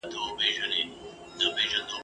له بدو څخه یا غلی اوسه یا لیري اوسه ..